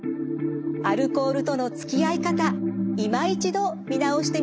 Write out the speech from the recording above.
アルコールとのつきあい方いま一度見直してみませんか？